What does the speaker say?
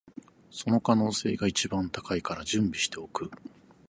その可能性が一番高いから準備しておく